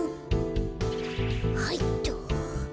はいっと。